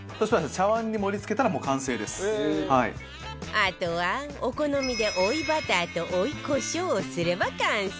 あとはお好みで追いバターと追い胡椒をすれば完成